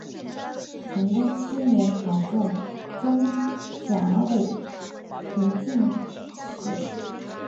崇祯七年考中甲戌科进士。